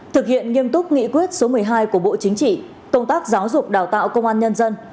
thực hiện nghiêm túc nghị quyết số một mươi hai của bộ chính trị công tác giáo dục đào tạo công an nhân dân